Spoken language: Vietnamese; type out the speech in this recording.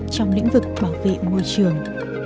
trong lĩnh vực bảo vệ môi trường